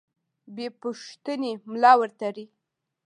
بې پوښتنې ملا ورتړي.